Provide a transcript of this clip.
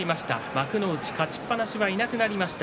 幕内勝ちっぱなしはいなくなりました。